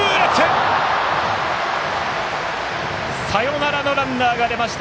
サヨナラのランナーが出ました。